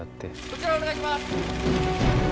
こちらお願いします。